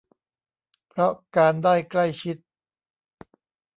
เพราะการได้ใกล้ชิด